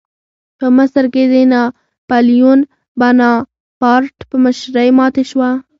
په مصر کې د ناپلیون بناپارټ په مشرۍ ماتې شوه.